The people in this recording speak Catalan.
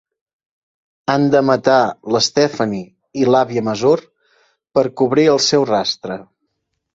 Han de matar l"Stephanie i l"àvia Mazur per cobrir el seu rastre.